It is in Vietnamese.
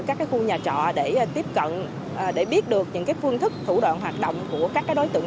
các khu nhà trọ để tiếp cận để biết được những phương thức thủ đoạn hoạt động của các đối tượng